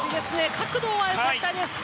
角度は良かったです。